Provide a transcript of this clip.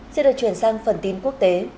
sẽ được chuyển sang phần tin quốc tế